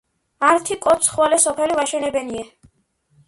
ართი კოც ხვალე სოფელი ვაშენებენია